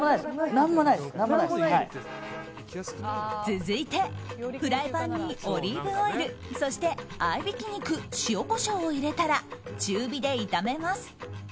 続いてフライパンにオリーブオイルそして合いびき肉塩、コショウを入れたら中火で炒めます。